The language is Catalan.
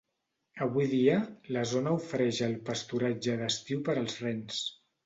Avui dia, la zona ofereix el pasturatge d'estiu per als rens.